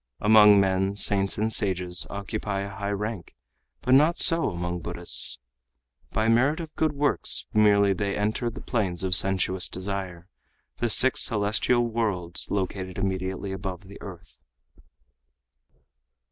Among men, saints and sages occupy a high rank, but not so among Buddhists. By merit of good works merely they enter the planes of sensuous desire, the six celestial worlds located immediately above the earth."